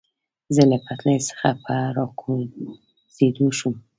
زه له پټلۍ څخه په را کوزېدو شوم.